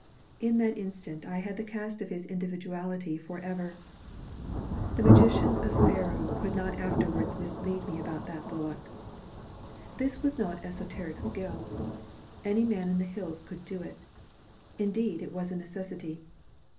In that instant I had the cast of his individuality forever. The magicians of Pharaoh could not afterwards mislead me about that bullock. This was not esoteric skill. Any man in the Hills could do it. Indeed it was a necessity.